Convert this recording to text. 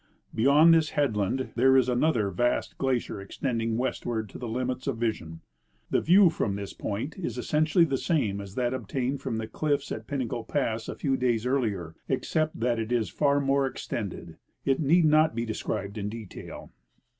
Beyond this headland there is an other vast glacier extending westward to the limits of vision. The view from this point is essentially the same as that obtained from the cliffs at Pinnacle pass a fcAV clays earlier, except that it is far more extended. It need not be described in detail.